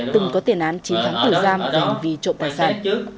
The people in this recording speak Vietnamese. từng có tiền án chín tháng tử giam dành vì trộm tài sản